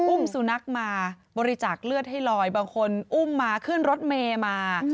อุ้มสุนัขมาบริจาคเลือดให้ลอยบางคนอุ้มมาขึ้นรถเมย์มา